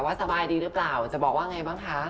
สบายดีหรือเปล่าจะบอกว่าไงบ้างคะ